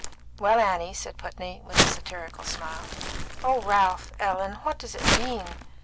"Well, Annie," said Putney, with a satirical smile. "Oh, Ralph Ellen what does it mean?"